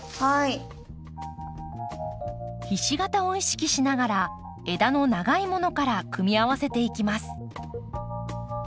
ひし形を意識しながら枝の長いものから組み合わせていきます。